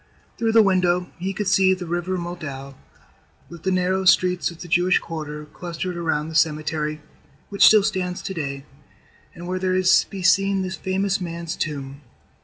Through the window he could see the River Moldau with the narrow streets of the Jewish quarter clustered around the cemetery, which still stands to day, and where is to be seen this famous man's tomb.